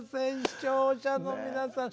視聴者の皆さん。